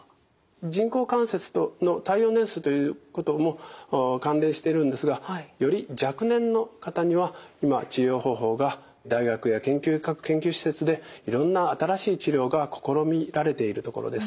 人工関節の耐用年数ということも関連してるんですがより若年の方には今治療方法が大学や各研究施設でいろんな新しい治療が試みられているところです。